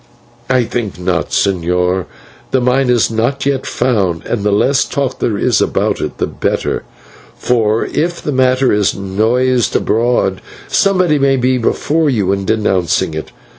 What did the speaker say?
"I think not, señor; the mine is not yet found, and the less talk there is about it the better, for if the matter is noised abroad somebody may be before you in denouncing it.